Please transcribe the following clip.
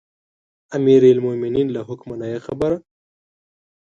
امیرالمؤمنین له حکمه نه یې خبره.